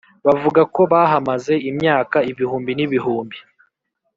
bavuga ko bahamaze imyaka ibihumbi n’ibihumbi!